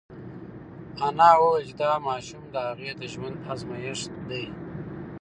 انا وویل چې دا ماشوم د هغې د ژوند ازمېښت دی.